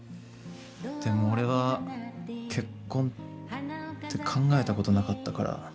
でも俺は結婚って考えたことなかったから。